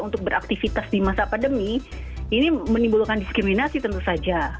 untuk beraktivitas di masa pandemi ini menimbulkan diskriminasi tentu saja